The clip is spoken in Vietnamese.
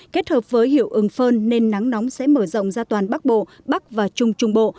kết hợp với hiệu ứng phơn nên nắng nóng sẽ mở rộng ra toàn bắc bộ bắc và trung trung bộ